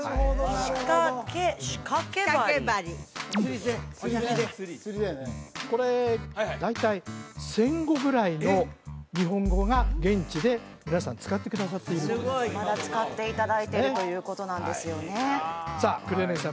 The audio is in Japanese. シカケバリ釣りで釣りでこれ大体戦後ぐらいの日本語が現地で皆さん使ってくださっているとまだ使っていただいているということなんですよねさあ黒柳さん